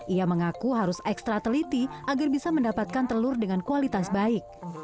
ia mengaku harus ekstra teliti agar bisa mendapatkan telur dengan kualitas baik